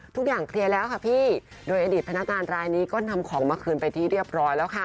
เคลียร์แล้วค่ะพี่โดยอดีตพนักงานรายนี้ก็นำของมาคืนไปที่เรียบร้อยแล้วค่ะ